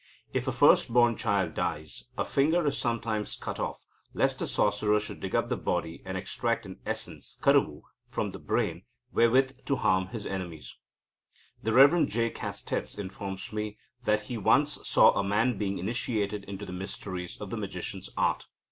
If a first born child dies, a finger is sometimes cut off, lest a sorcerer should dig up the body, and extract an essence (karuvu) from the brain, wherewith to harm his enemies. The Rev. J. Castets informs me that he once saw a man being initiated into the mysteries of the magician's art.